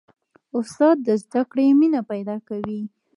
استاد د زده کړې مینه پیدا کوي.